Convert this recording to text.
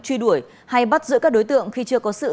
truy đuổi hay bắt giữ các đối tượng khi chưa có sự